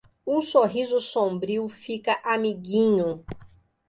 Um sorriso sombrio fica amiguinho.